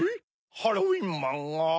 ハロウィンマンが？